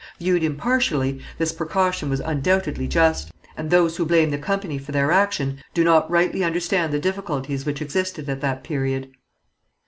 Viewed impartially, this precaution was undoubtedly just, and those who blame the company for their action, do not rightly understand the difficulties which existed at that period.